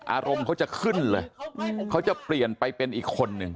อารมณ์เขาจะขึ้นเลยเขาจะเปลี่ยนไปเป็นอีกคนนึง